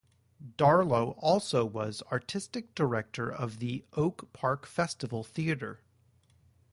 Darlow also was artistic director of the Oak Park Festival Theatre.